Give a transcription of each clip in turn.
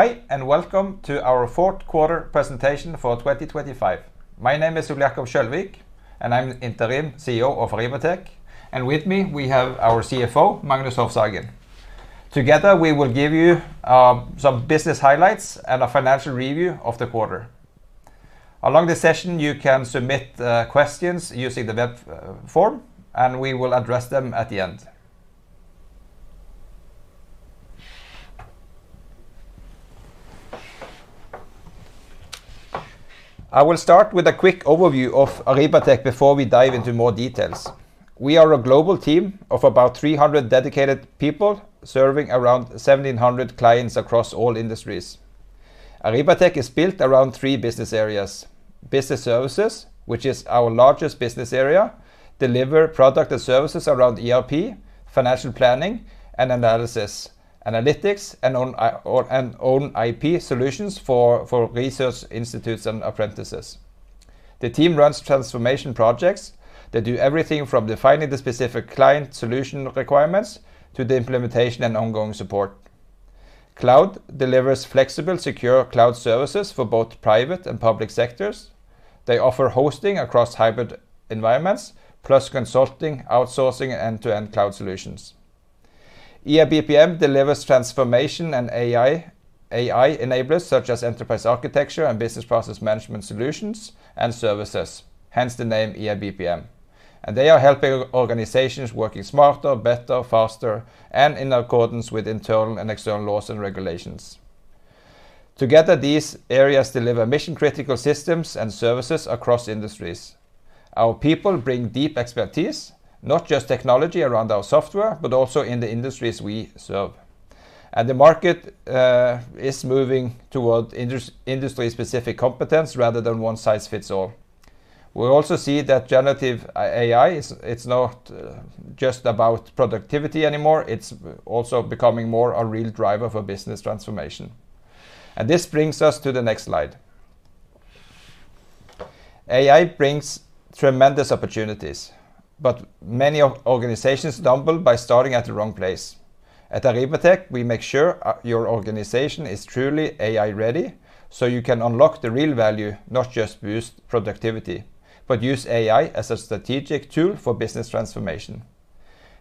Hi, welcome to our fourth quarter presentation for 2025. My name is Ole Jakob Kjølvik, and I'm the Interim CEO of Arribatec, and with me, we have our CFO, Magnus Hofshagen. Together, we will give you some business highlights and a financial review of the quarter. Along this session, you can submit questions using the web form, and we will address them at the end. I will start with a quick overview of Arribatec before we dive into more details. We are a global team of about 300 dedicated people, serving around 1,700 clients across all industries. Arribatec is built around three business areas: Business Services, which is our largest business area, deliver product and services around ERP, financial planning and analysis, analytics, and own IP solutions for research institutes and apprentices. The team runs transformation projects. They do everything from defining the specific client solution requirements to the implementation and ongoing support. Cloud delivers flexible, secure cloud services for both private and public sectors. They offer hosting across hybrid environments, plus consulting, outsourcing, end-to-end cloud solutions. EIBPM delivers transformation and AI enablers such as Enterprise Architecture and Business Process Management solutions and services, hence the name EIBPM. They are helping organizations working smarter, better, faster, and in accordance with internal and external laws and regulations. Together, these areas deliver mission-critical systems and services across industries. Our people bring deep expertise, not just technology around our software, but also in the industries we serve. The market is moving toward industry-specific competence rather than one-size-fits-all. We also see that generative AI, it's not just about productivity anymore, it's also becoming more a real driver for business transformation. This brings us to the next slide. AI brings tremendous opportunities, but many of organizations stumble by starting at the wrong place. At Arribatec, we make sure your organization is truly AI-ready, so you can unlock the real value, not just boost productivity, but use AI as a strategic tool for business transformation.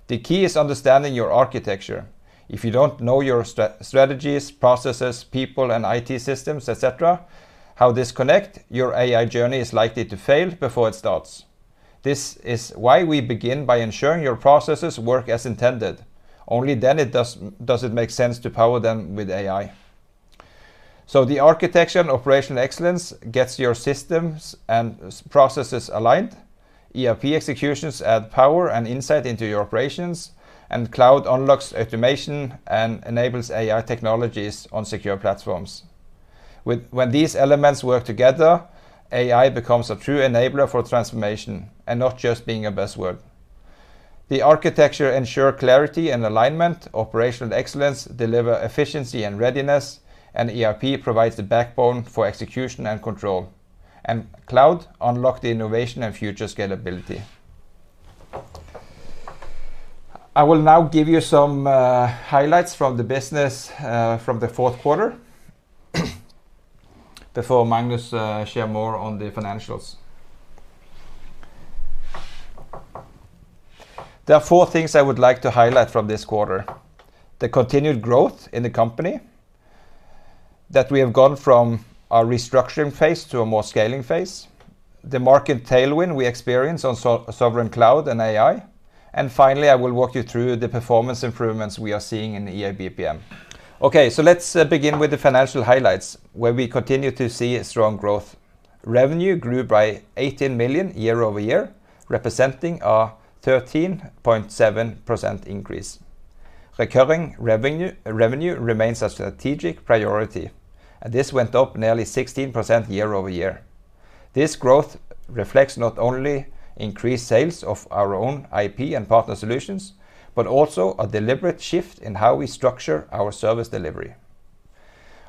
The key is understanding your architecture. If you don't know your strategies, processes, people, and IT systems, et cetera, how this connect, your AI journey is likely to fail before it starts. This is why we begin by ensuring your processes work as intended. Only then does it make sense to power them with AI. The architecture and operational excellence gets your systems and processes aligned, ERP executions add power and insight into your operations, and Cloud unlocks automation and enables AI technologies on secure platforms. With. When these elements work together, AI becomes a true enabler for transformation and not just being a buzzword. The architecture ensure clarity and alignment, operational excellence deliver efficiency and readiness, ERP provides the backbone for execution and control, Cloud unlock the innovation and future scalability. I will now give you some highlights from the business from the fourth quarter, before Magnus share more on the financials. There are four things I would like to highlight from this quarter: the continued growth in the company, that we have gone from a restructuring phase to a more scaling phase, the market tailwind we experience on Sovereign Cloud and AI, and finally, I will walk you through the performance improvements we are seeing in the EA & BPM. Let's begin with the financial highlights, where we continue to see a strong growth. Revenue grew by 18 million year-over-year, representing a 13.7% increase. Recurring revenue remains a strategic priority, this went up nearly 16% year-over-year. This growth reflects not only increased sales of our own IP and partner solutions, but also a deliberate shift in how we structure our service delivery.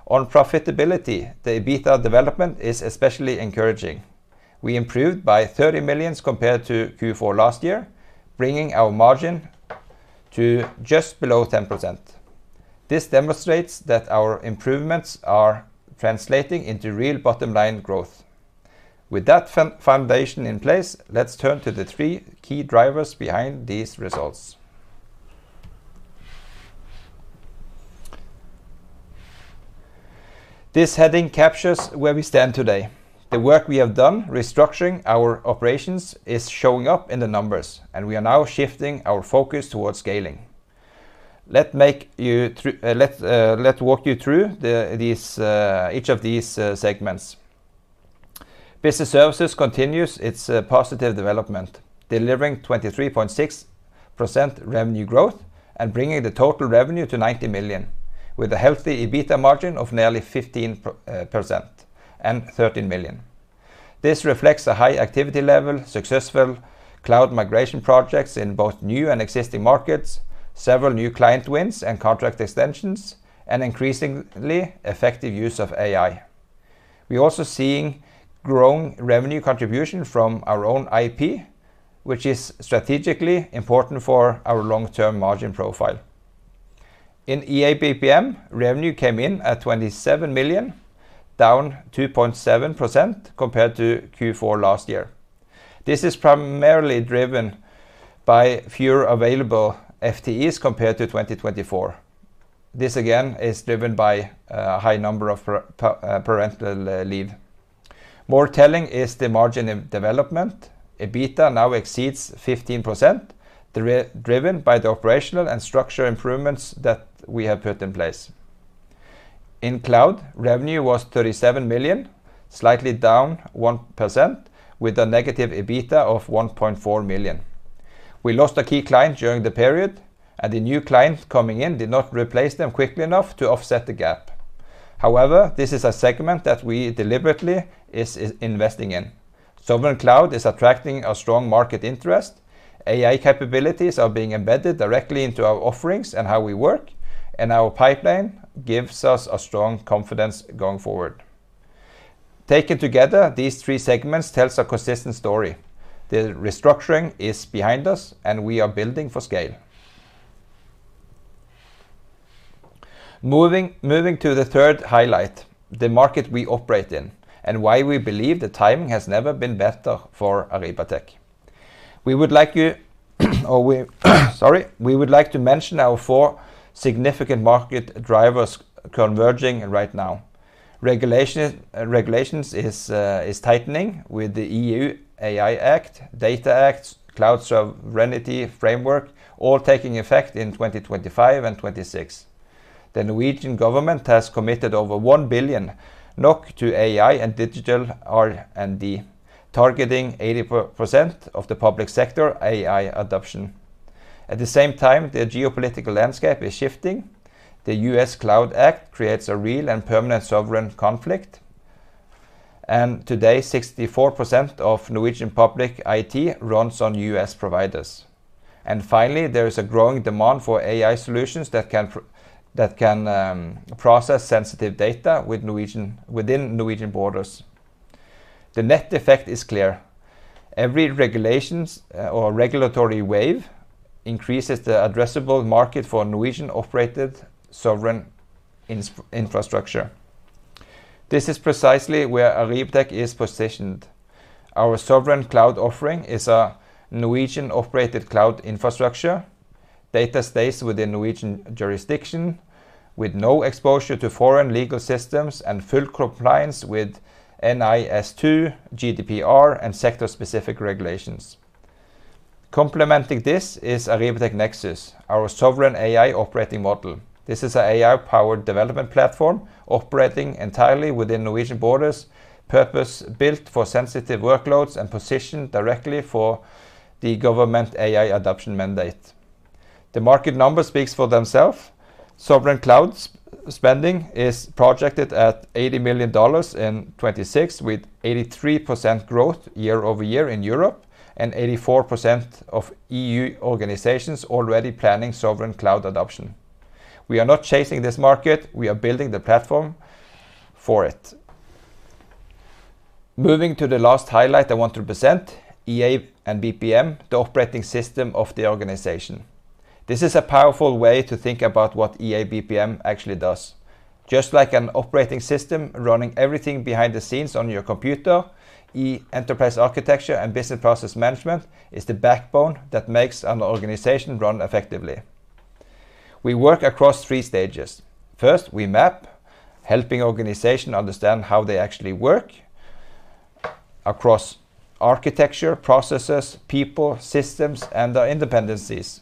On profitability, the EBITDA development is especially encouraging. We improved by 30 million compared to Q4 last year, bringing our margin to just below 10%. This demonstrates that our improvements are translating into real bottom line growth. With that foundation in place, let's turn to the three key drivers behind these results. This heading captures where we stand today. The work we have done, restructuring our operations, is showing up in the numbers, we are now shifting our focus towards scaling. Let walk you through each of these segments. Business Services continues its positive development, delivering 23.6% revenue growth and bringing the total revenue to 90 million, with a healthy EBITDA margin of nearly 15%, and 13 million. This reflects a high activity level, successful cloud migration projects in both new and existing markets, several new client wins and contract extensions, and increasingly effective use of AI. We're also seeing growing revenue contribution from our own IP, which is strategically important for our long-term margin profile. In EA/BPM, revenue came in at 27 million, down 2.7% compared to Q4 last year. This is primarily driven by fewer available FTEs compared to 2024. This again, is driven by high number of parental leave. More telling is the margin of development. EBITDA now exceeds 15%, driven by the operational and structural improvements that we have put in place. In Cloud, revenue was 37 million, slightly down 1%, with a negative EBITDA of 1.4 million. We lost a key client during the period, and the new clients coming in did not replace them quickly enough to offset the gap. This is a segment that we deliberately is investing in. Sovereign Cloud is attracting a strong market interest, AI capabilities are being embedded directly into our offerings and how we work, Our pipeline gives us a strong confidence going forward. Taken together, these three segments tells a consistent story. The restructuring is behind us, We are building for scale. Moving to the third highlight, the market we operate in, and why we believe the timing has never been better for Arribatec. Sorry. We would like to mention our four significant market drivers converging right now. Regulation, regulations is tightening with the EU AI Act, Data Act, Cloud Sovereignty Framework, all taking effect in 2025 and 2026. The Norwegian government has committed over 1 billion NOK to AI and digital R&D, targeting 80% of the public sector AI adoption. At the same time, the geopolitical landscape is shifting. The US CLOUD Act creates a real and permanent sovereign conflict. Today, 64% of Norwegian public IT runs on US providers. Finally, there is a growing demand for AI solutions that can process sensitive data within Norwegian borders. The net effect is clear: Every regulations or regulatory wave increases the addressable market for Norwegian-operated sovereign infrastructure. This is precisely where Arribatec is positioned. Our Sovereign Cloud offering is a Norwegian-operated cloud infrastructure. Data stays within Norwegian jurisdiction, with no exposure to foreign legal systems and full compliance with NIS2, GDPR, and sector-specific regulations. Complementing this is Arribatec Nexus, our sovereign AI operating model. This is an AI-powered development platform operating entirely within Norwegian borders, purpose-built for sensitive workloads and positioned directly for the government AI adoption mandate. The market numbers speaks for themself. Sovereign Cloud's spending is projected at $80 million in 2026, with 83% growth year-over-year in Europe, and 84% of EU organizations already planning Sovereign Cloud adoption. We are not chasing this market, we are building the platform for it. Moving to the last highlight I want to present, EA & BPM, the operating system of the organization. This is a powerful way to think about what EA & BPM actually does. Just like an operating system running everything behind the scenes on your computer, Enterprise Architecture and Business Process Management is the backbone that makes an organization run effectively. We work across three stages. First, we map, helping organizations understand how they actually work across architecture, processes, people, systems, and their independencies.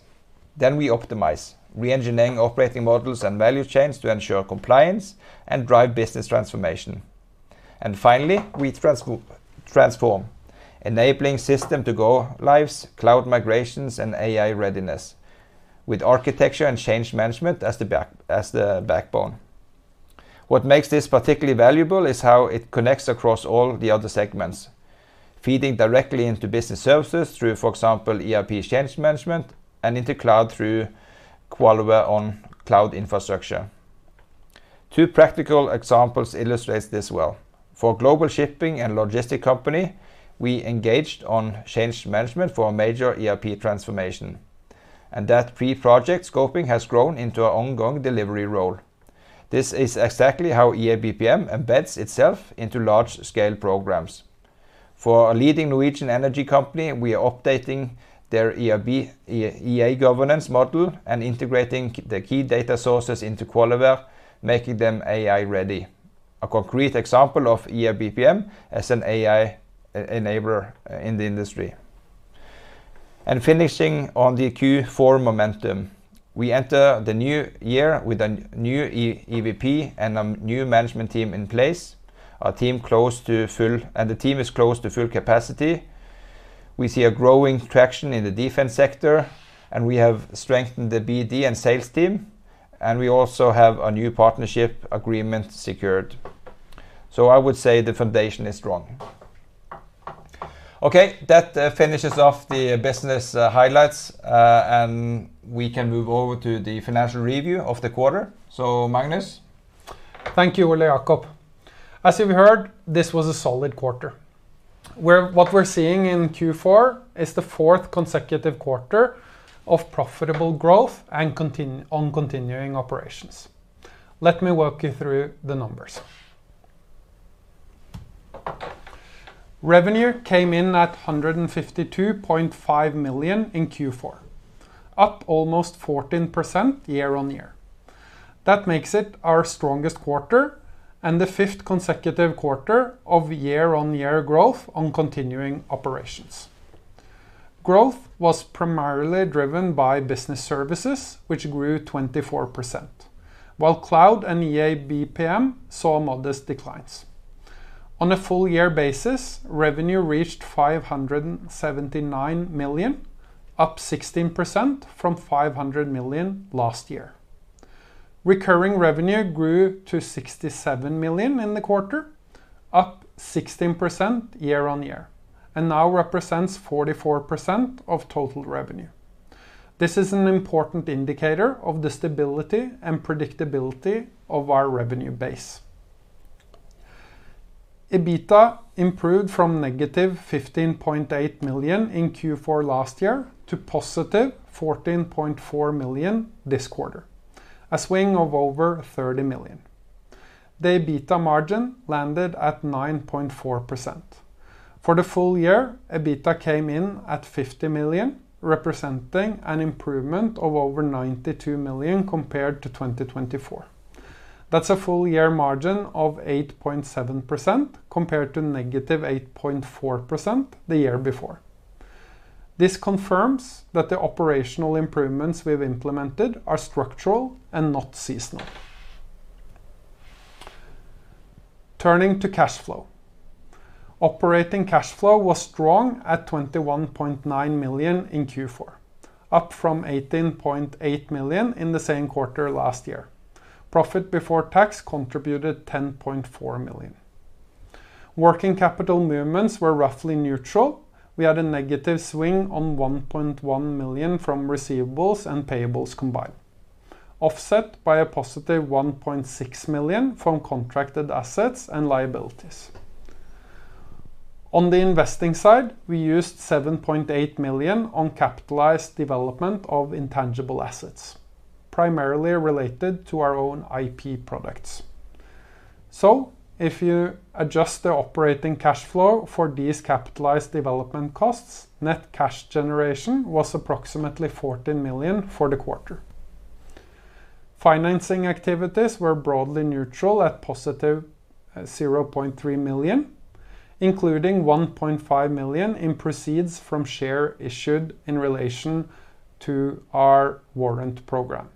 We optimize, reengineering operating models and value chains to ensure compliance and drive business transformation. Finally, we transform, enabling system to go lives, cloud migrations, and AI readiness, with architecture and change management as the backbone. What makes this particularly valuable is how it connects across all the other segments, feeding directly into Business Services through, for example, ERP change management and into Cloud through QualiWare on cloud infrastructure. Two practical examples illustrates this well. For global shipping and logistic company, we engaged on change management for a major ERP transformation, that pre-project scoping has grown into an ongoing delivery role. This is exactly how EA/BPM embeds itself into large-scale programs. For a leading Norwegian energy company, we are updating their EA governance model and integrating the key data sources into QualiWare, making them AI ready. A concrete example of EA/BPM as an AI enabler in the industry. Finishing on the Q4 momentum, we enter the new year with a new EVP and a new management team in place. The team is close to full capacity. We see a growing traction in the defense sector, and we have strengthened the BD and sales team, and we also have a new partnership agreement secured. I would say the foundation is strong. That finishes off the business highlights. We can move over to the financial review of the quarter. Magnus? Thank you, Ole Jakob. As you've heard, this was a solid quarter, where what we're seeing in Q4 is the fourth consecutive quarter of profitable growth on continuing operations. Let me walk you through the numbers. Revenue came in at 152.5 million in Q4, up almost 14% year-on-year. That makes it our strongest quarter, and the fifth consecutive quarter of year-on-year growth on continuing operations. Growth was primarily driven by Business Services, which grew 24%, while Cloud and EA & BPM saw modest declines. On a full year basis, revenue reached 579 million, up 16% from 500 million last year. Recurring revenue grew to 67 million in the quarter, up 16% year-on-year, and now represents 44% of total revenue. This is an important indicator of the stability and predictability of our revenue base. EBITDA improved from negative 15.8 million in Q4 last year to positive 14.4 million this quarter, a swing of over 30 million. The EBITDA margin landed at 9.4%. For the full year, EBITDA came in at 50 million, representing an improvement of over 92 million compared to 2024. That's a full year margin of 8.7%, compared to negative 8.4% the year before. This confirms that the operational improvements we've implemented are structural and not seasonal. Turning to cash flow. Operating cash flow was strong at 21.9 million in Q4, up from 18.8 million in the same quarter last year. Profit before tax contributed 10.4 million. Working capital movements were roughly neutral. We had a negative swing on 1.1 million from receivables and payables combined, offset by a positive 1.6 million from contracted assets and liabilities. On the investing side, we used 7.8 million on capitalized development of intangible assets, primarily related to our own IP products. If you adjust the operating cash flow for these capitalized development costs, net cash generation was approximately 14 million for the quarter. Financing activities were broadly neutral at positive 0.3 million, including 1.5 million in proceeds from share issued in relation to our warrant program.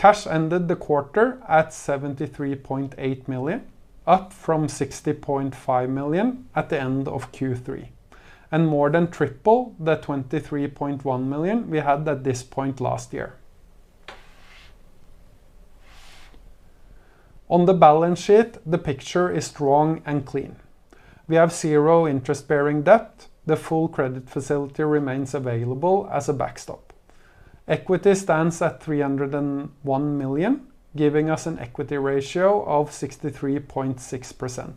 Cash ended the quarter at 73.8 million, up from 60.5 million at the end of Q3, and more than triple the 23.1 million we had at this point last year. On the balance sheet, the picture is strong and clean. We have zero interest-bearing debt. The full credit facility remains available as a backstop. Equity stands at 301 million, giving us an equity ratio of 63.6%,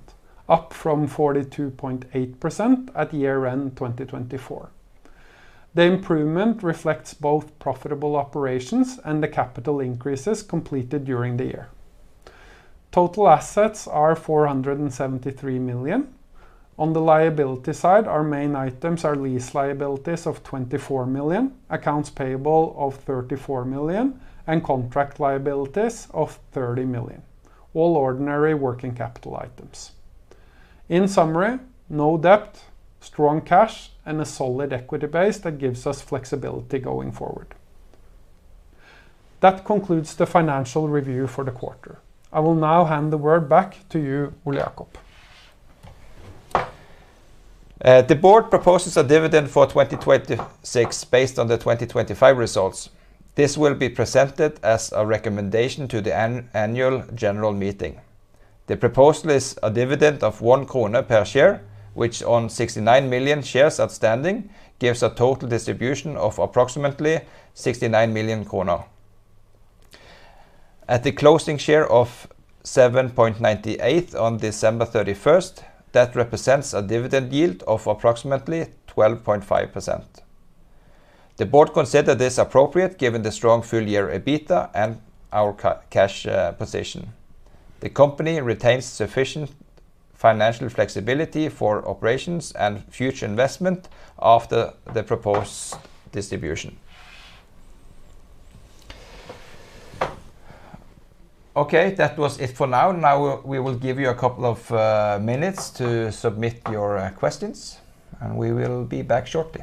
up from 42.8% at year-end 2024. The improvement reflects both profitable operations and the capital increases completed during the year. Total assets are 473 million. On the liability side, our main items are lease liabilities of 24 million, accounts payable of 34 million, and contract liabilities of 30 million, all ordinary working capital items. In summary, no debt, strong cash, and a solid equity base that gives us flexibility going forward. That concludes the financial review for the quarter. I will now hand the word back to you, Ole Jacob. The board proposes a dividend for 2026 based on the 2025 results. This will be presented as a recommendation to the annual general meeting. The proposal is a dividend of 1 krone per share, which on 69 million shares outstanding, gives a total distribution of approximately 69 million kroner. At the closing share of 7.98 NOK on December 31st, that represents a dividend yield of approximately 12.5%. The board considered this appropriate, given the strong full year EBITDA and our cash position. The company retains sufficient financial flexibility for operations and future investment after the proposed distribution. Okay, that was it for now. Now, we will give you a couple of minutes to submit your questions, and we will be back shortly.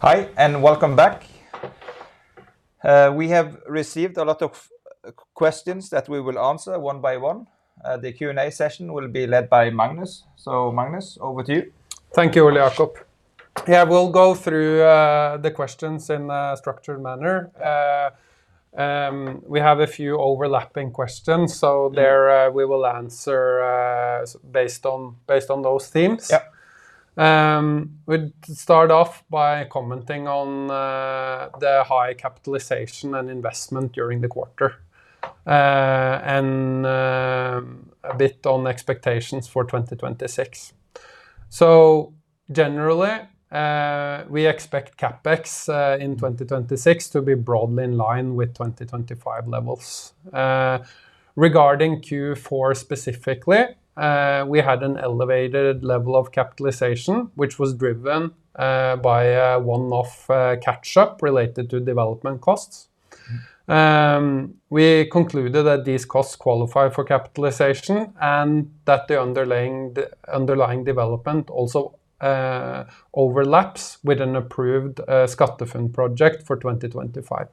Hi, welcome back. We have received a lot of questions that we will answer one by one. The Q&A session will be led by Magnus. Magnus, over to you. Thank you, Ole Jakob. Yeah, we'll go through the questions in a structured manner. We have a few overlapping questions. We will answer based on those themes. Yep. We'll start off by commenting on the high capitalization and investment during the quarter, a bit on expectations for 2026. Generally, we expect CapEx in 2026 to be broadly in line with 2025 levels. Regarding Q4 specifically, we had an elevated level of capitalization, which was driven by a one-off catch-up related to development costs. We concluded that these costs qualify for capitalization and that the underlying development also overlaps with an approved SkatteFUNN project for 2025.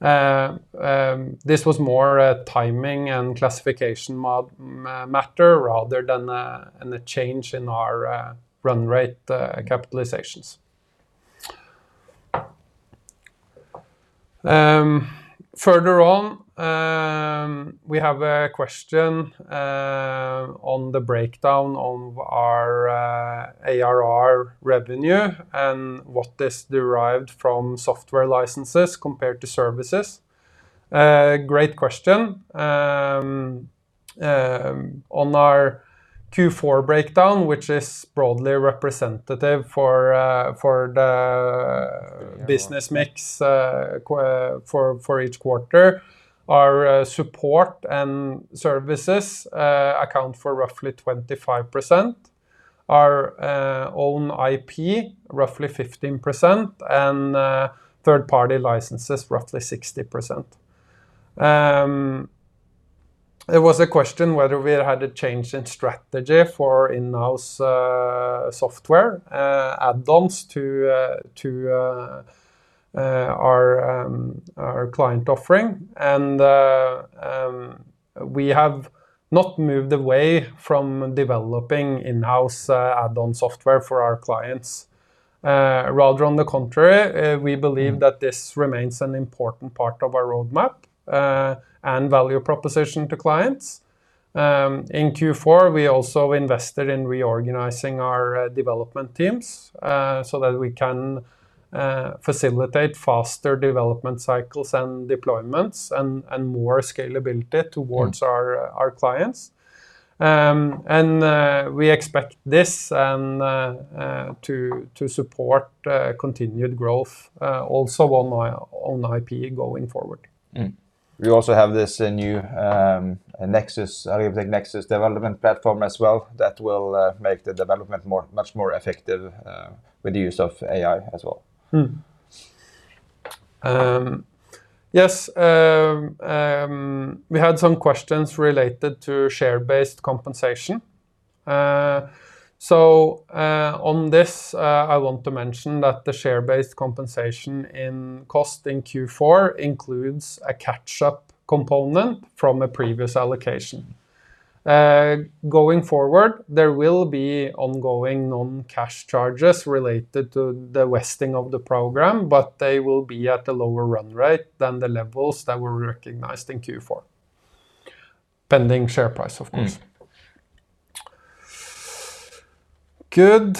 This was more a timing and classification matter rather than a change in our run rate capitalizations. Further on, we have a question on the breakdown of our ARR revenue and what is derived from software licenses compared to services. great question. on our Q4 breakdown, which is broadly representative for. Yeah business mix, for each quarter, our support and services account for roughly 25%. Our own IP, roughly 15%, and third-party licenses, roughly 60%. There was a question whether we had a change in strategy for in-house software add-ons to our client offering. We have not moved away from developing in-house add-on software for our clients. Rather on the contrary, we believe that this remains an important part of our roadmap and value proposition to clients. In Q4, we also invested in reorganizing our development teams so that we can facilitate faster development cycles and deployments and more scalability- towards our clients. We expect this and to support continued growth also on our IP going forward. We also have this new Arribatec Nexus development platform as well, that will make the development much more effective with the use of AI as well. Yes, we had some questions related to share-based compensation. On this, I want to mention that the share-based compensation in cost in Q4 includes a catch-up component from a previous allocation. Going forward, there will be ongoing non-cash charges related to the vesting of the program, but they will be at a lower run rate than the levels that were recognized in Q4, pending share price, of course. Good.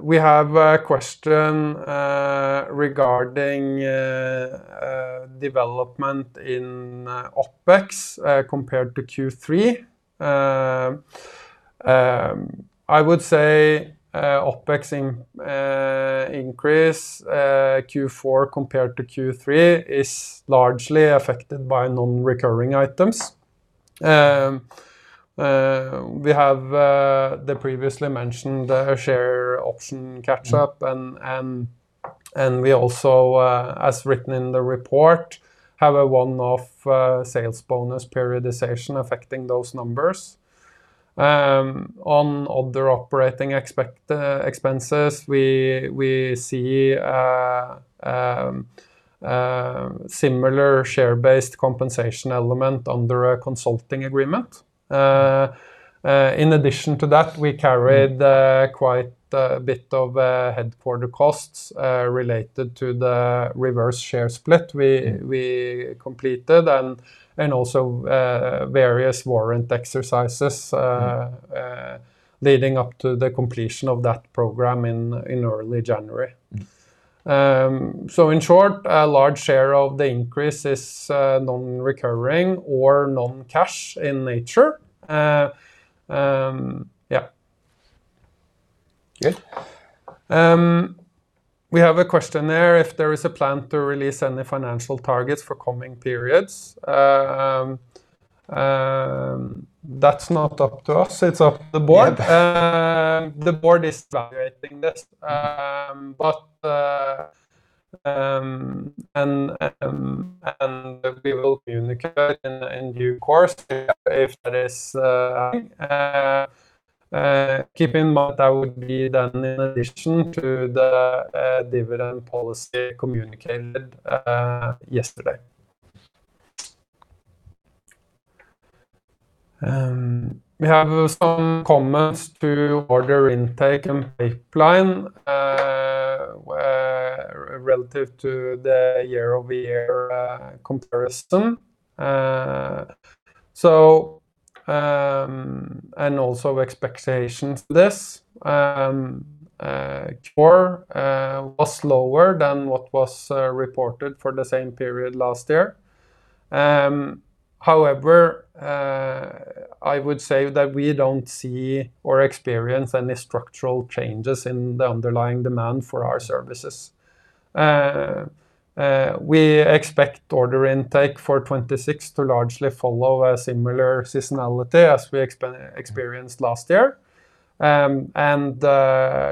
We have a question regarding development in OpEx compared to Q3. I would say OpEx in increase Q4 compared to Q3 is largely affected by non-recurring items. We have the previously mentioned share option catch-up We also, as written in the report, have a one-off sales bonus periodization affecting those numbers. On other operating expenses, we see a similar share-based compensation element under a consulting agreement. In addition to that, we carried- quite a bit of headquarter costs, related to the reverse share split we completed and also, various warrant exercises leading up to the completion of that program in early January. In short, a large share of the increase is non-recurring or non-cash in nature. Good. We have a question there, if there is a plan to release any financial targets for coming periods? That's not up to us. It's up to the board. Yeah. The board is evaluating this. We will communicate in due course if there is. Keep in mind that would be done in addition to the dividend policy communicated yesterday. We have some comments to order intake and pipeline relative to the year-over-year comparison. Also expectations. This Q4 was lower than what was reported for the same period last year. I would say that we don't see or experience any structural changes in the underlying demand for our services. We expect order intake for 2026 to largely follow a similar seasonality as we experienced last year.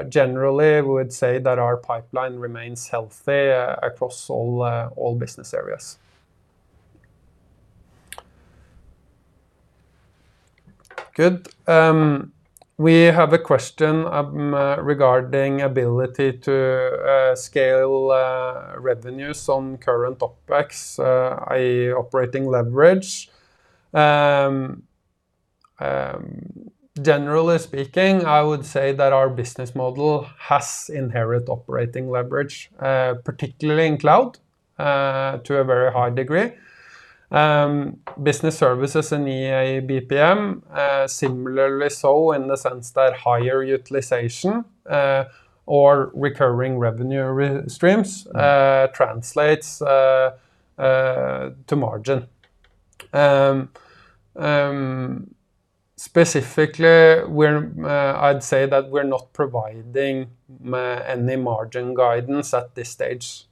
Generally, we would say that our pipeline remains healthy across all business areas. Good. We have a question regarding ability to scale revenues on current OpEx, i.e, operating leverage. Generally speaking, I would say that our business model has inherent operating leverage, particularly in Cloud, to a very high degree. Business Services in EA/BPM, similarly so, in the sense that higher utilization, or recurring revenue streams, translates to margin. Specifically, we're I'd say that we're not providing any margin guidance at this stage.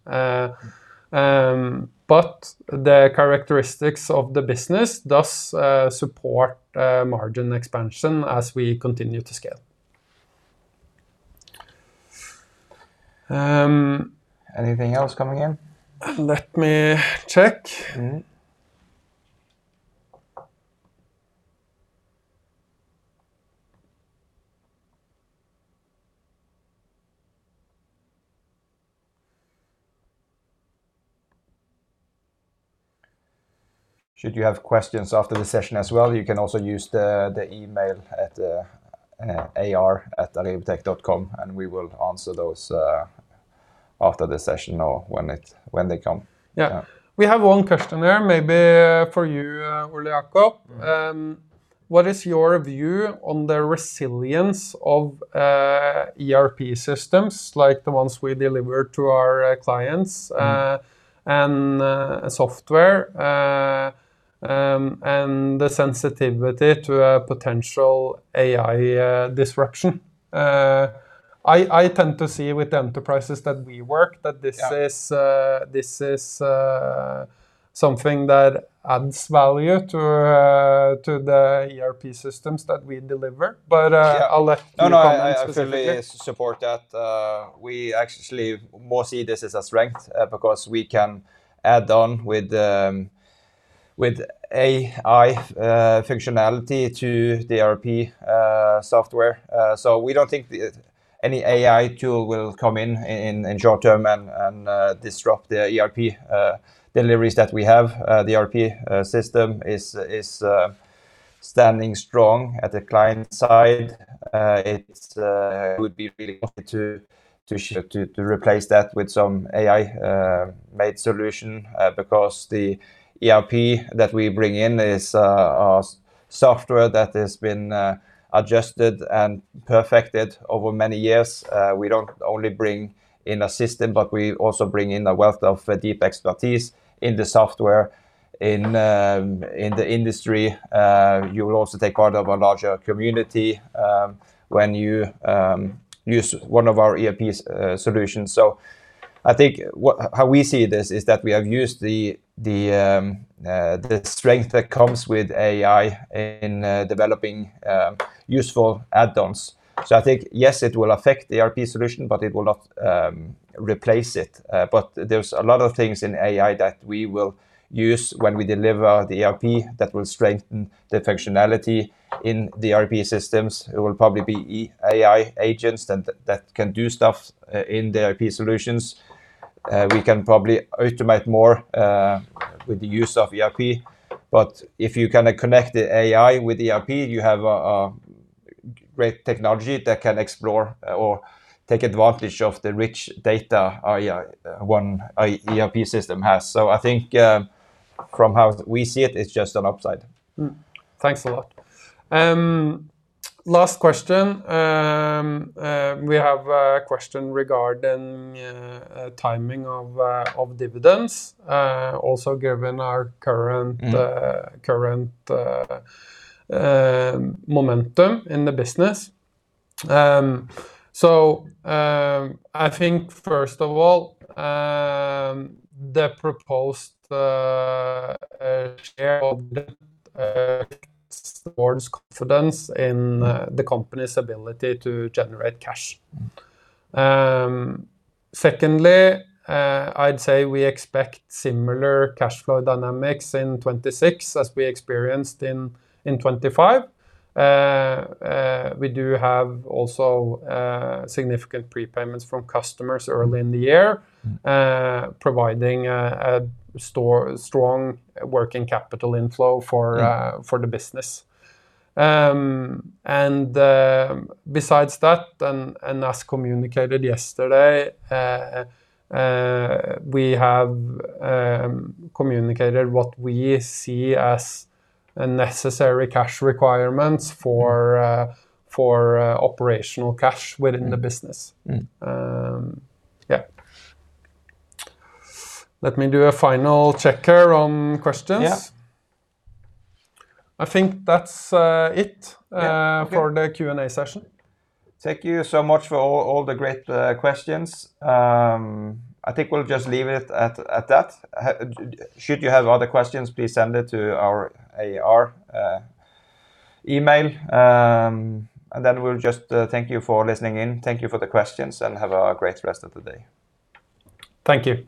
The characteristics of the business does support margin expansion as we continue to scale. Anything else coming in? Let me check. Should you have questions after the session as well, you can also use the email at olejakob.kjolvik@arribatec.com, and we will answer those after the session or when they come. Yeah. Yeah. We have one question there, maybe for you, Ole Jacob. What is your view on the resilience of ERP systems, like the ones we deliver to our clients? and software, and the sensitivity to a potential AI disruption? I tend to see with the enterprises that we work. Yeah This is something that adds value to the ERP systems that we deliver. Yeah I'll let you comment specifically. No, no, I fully support that. We actually more see this as a strength, because we can add on with the with AI functionality to the ERP software. We don't think any AI tool will come in short term and disrupt the ERP deliveries that we have. The ERP system is standing strong at the client side. It would be really to replace that with some AI made solution because the ERP that we bring in is a software that has been adjusted and perfected over many years. We don't only bring in a system, we also bring in a wealth of deep expertise in the software in the industry. You will also take part of a larger community when you use one of our ERPs solutions. I think how we see this is that we have used the strength that comes with AI in developing useful add-ons. I think, yes, it will affect the ERP solution, but it will not replace it. There's a lot of things in AI that we will use when we deliver the ERP that will strengthen the functionality in the ERP systems. It will probably be AI agents that can do stuff in the ERP solutions. We can probably automate more, with the use of ERP, but if you kind of connect the AI with the ERP, you have a great technology that can explore or take advantage of the rich data AI, one AI, ERP system has. I think, from how we see it's just an upside. Thanks a lot. Last question. We have a question regarding timing of dividends, also given our. current momentum in the business. I think first of all, the proposed share of towards confidence in the company's ability to generate cash. Secondly, I'd say we expect similar cash flow dynamics in 2026 as we experienced in 2025. We do have also significant prepayments from customers early in the year. providing a strong working capital inflow... Yeah... for the business. Besides that, as communicated yesterday, we have communicated what we see as a necessary cash requirements.... for operational cash within the business. Yeah. Let me do a final checker on questions. Yeah. I think that's. Yeah, okay.... for the Q&A session. Thank you so much for all the great questions. I think we'll just leave it at that. Should you have other questions, please send it to our AR email, then we'll just. Thank you for listening in. Thank you for the questions, and have a great rest of the day. Thank you.